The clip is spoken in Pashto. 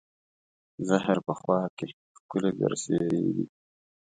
زهر په خوا کې، ښکلې برسېرې دي